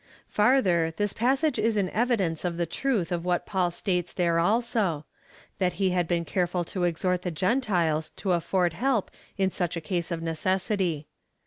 Farther, this passage is an evidence of the truth of what Paul states there also — that he had been careful to exhort the Gentiles to afford help in such a case of necessity.